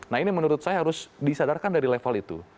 nah ini menurut saya harus disadarkan dari level itu